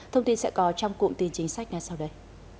thông tin sẽ có trong cụm tin chính sách ngay sau đây